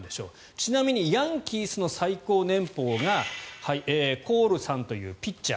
ちなみにヤンキースの最高年俸がコールさんというピッチャー